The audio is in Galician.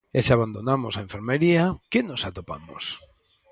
E se abandonamos a enfermaría, que nos atopamos?